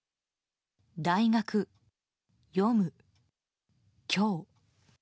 大学、読む、今日。